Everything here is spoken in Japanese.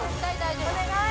お願い。